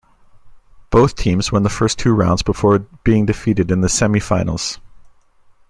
Both teams won the first two rounds before being defeated in the semifinals.